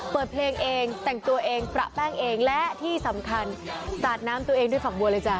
เปิดเพลงเองแต่งตัวเองประแป้งเองและที่สำคัญสาดน้ำตัวเองด้วยฝักบัวเลยจ้